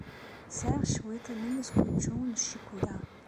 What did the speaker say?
Sɛiɣ cwiṭ n umeskučču n ccikula.